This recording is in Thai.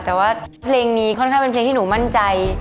แต่ว่าเพลงนี้ค่อนข้างเป็นเพลงที่หนูมั่นใจ